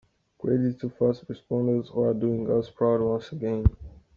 Credit to first responders who are doing us proud once again.